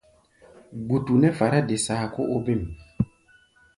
Gbutu nɛ́ fará-de-saa kó óbêm.